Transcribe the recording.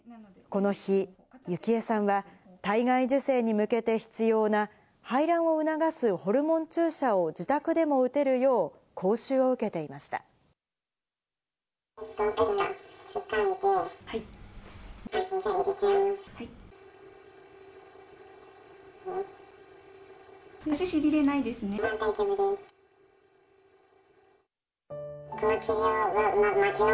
この日、幸恵さんは、体外受精に向けて必要な排卵を促すホルモン注射を自宅でも打てるよう、ここをぐっとつかんで、じゃあ、入れちゃいます。